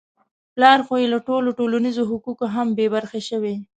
پلار خو يې له ټولو ټولنیزو حقوقو هم بې برخې شوی.